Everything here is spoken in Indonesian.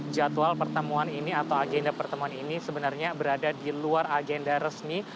jadwal pertemuan ini atau agenda pertemuan ini sebenarnya berada di luar agenda resmi